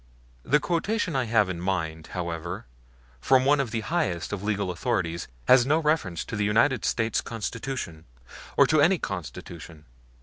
The quotation I have in mind, however, from one of the highest of legal authorities, has no reference to the United States Constitution or to any Constitution.